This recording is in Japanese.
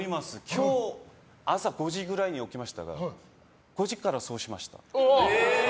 今日、朝５時くらいに起きましたが５時から、そうしました。